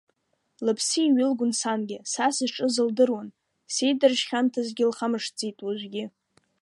Лыԥсы еиҩылгон сангьы, са сызҿыз лдыруан, сеидара шхьамҭазгьы лхамышҭӡеит уажәгьы.